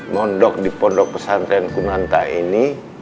mondok di pondok pesantren kunanta ini